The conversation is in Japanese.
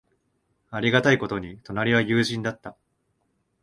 ありがたいことに、隣は友人だった。